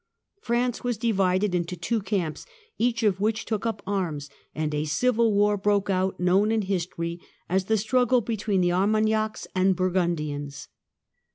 France was divided into two camps, each of which "took up arms, and a civil war broke out, known in history as the struggle between Armagnacs and Burgundians.